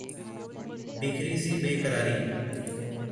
बिखरी-सी बेकरारी